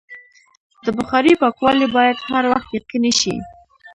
د بخارۍ پاکوالی باید هر وخت یقیني شي.